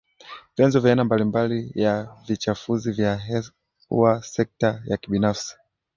vyanzo vya aina mbali mbali ya vichafuzi vya hewa Sekta ya kibinafsi